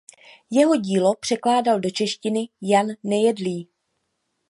Jeho dílo překládal do češtiny Jan Nejedlý.